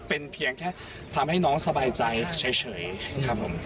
เป็นเพียงแค่ทำให้น้องสบายใจเฉยครับผม